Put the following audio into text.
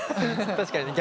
確かにね。